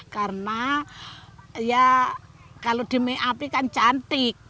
karena ya kalau di meapi kan cantik